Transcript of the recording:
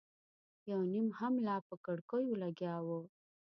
یو نيم هم لا په کړکيو لګیا و.